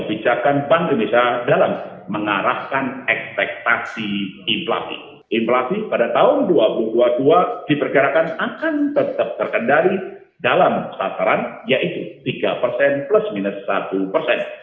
inflasi di pergerakan akan tetap terkendali dalam sasaran yaitu tiga persen plus minus satu persen